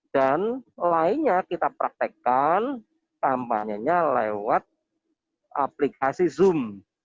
dan lainnya kita praktekkan kampanye nya lewat aplikasi zoom